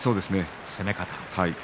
攻め方。